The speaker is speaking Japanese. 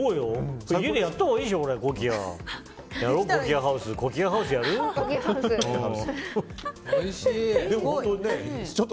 家でやったほうがいいでしょ。